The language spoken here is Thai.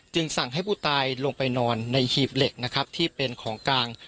สั่งให้ผู้ตายลงไปนอนในหีบเหล็กนะครับที่เป็นของกลาง